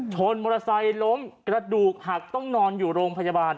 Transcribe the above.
มอเตอร์ไซค์ล้มกระดูกหักต้องนอนอยู่โรงพยาบาล